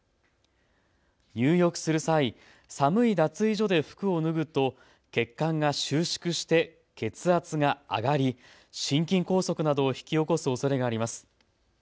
入浴する際、寒い脱衣所で服を脱ぐと血管が収縮して血圧が上がり心筋梗塞などを引き起こすおそれがあります。